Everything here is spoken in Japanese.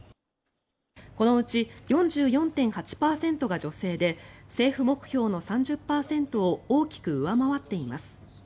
このうち４４．８％が女性で政府目標の３０％を大きく上回っています。